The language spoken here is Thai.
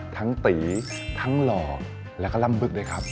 ตีทั้งหล่อแล้วก็ล่ำบึกด้วยครับ